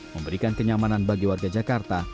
memberikan kenyamanan bagi warga jakarta